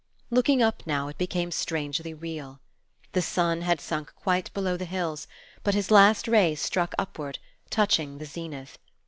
Looking up now, it became strangely real. The sun had sunk quite below the hills, but his last rays struck upward, touching the zenith.